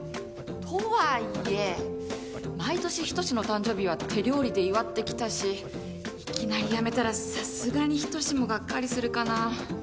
とはいえ毎年、仁の誕生日は手料理で祝ってきたしいきなりやめたらさすがに仁もがっかりするかな。